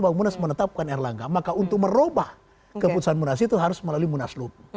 kalau munas menetapkan erlangga maka untuk merubah keputusan munas itu harus melalui munaslup